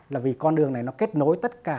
là vì con đường này nó kết nối tất cả